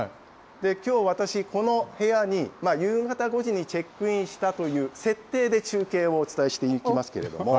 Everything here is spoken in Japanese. きょう私、この部屋に夕方５時のチェックインしたという設定で中継をお伝えしていきますけれども。